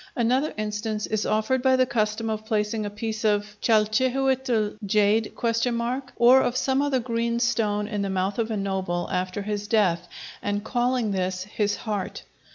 Another instance is offered by the custom of placing a piece of chalchihuitl (jade?) or of some other green stone in the mouth of a noble, after his death, and calling this his heart.